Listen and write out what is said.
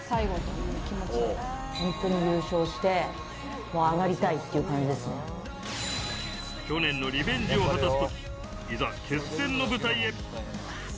優勝して、去年のリベンジを果たすとき、いざ、決戦の舞台へ。